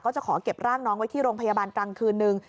จะขอเก็บร่างน้องไว้ที่โรงพยาบาลตรังคืนนึง